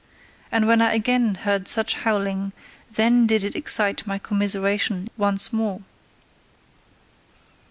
And when I again heard such howling, then did it excite my commiseration once more.